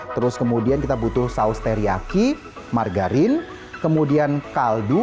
terus kemudian kita butuh saus teriyaki margarin kemudian kaldu